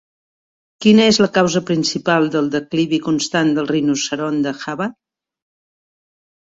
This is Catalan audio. Quina és la causa principal del declivi constant del rinoceront de Java?